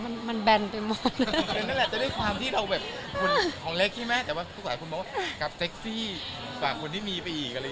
เป็นนั่นแหละจะได้ความที่เราของเล็กขี้แม่แต่ฝากคุณบอกว่ากับเซ็กซี่ฝากคนที่มีไปอีก